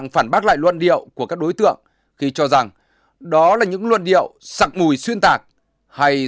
phản bác lại luận điệu của các đối tượng khi cho rằng đó là những luận điệu sặc mùi xuyên tạc hay